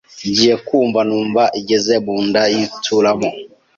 ngiye kumva numva igeze mu nda yituramo